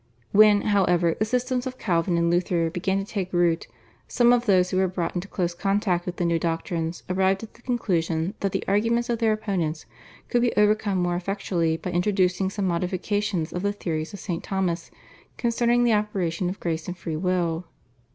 When, however, the systems of Calvin and Luther began to take root some of those who were brought into close contact with the new doctrines arrived at the conclusion that the arguments of their opponents could be overcome more effectually by introducing some modifications of the theories of St. Thomas concerning the operation of Grace and Free will.